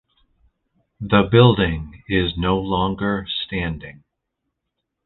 The building is no longer standing.